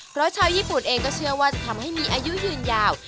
เพราะชาวญี่ปุ่นเองก็เชื่อว่าจะทำให้มีอายุยืนยาว